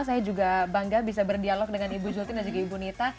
saya juga bangga bisa berdialog dengan ibu jultin dan juga ibu nita